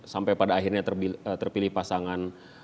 sampai pada akhirnya terpilih pasangan